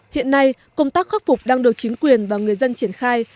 hiện nay công tác khắc phục đang được chính quyền và người dân triển khai